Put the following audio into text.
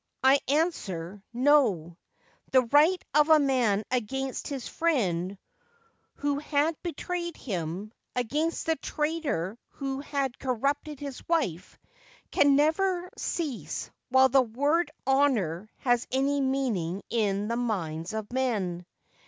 I answer, " No. ;' The right of a man against the friend who had betrayed him, against the traitor who has corrupted his wife, can never cease while the word honour has any meaning in the minds of men.'